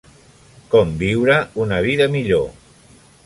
Com viure una vida millor.